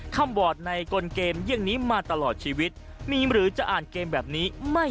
คำวอร์ดในกลเกมเยี่ยงนี้มาตลอดชีวิตมีหรือจะอ่านเกมแบบนี้ไม่